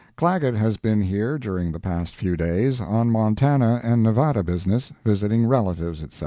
Clagett has been here during the past few days, on Montana and Nevada business, visiting relatives, etc.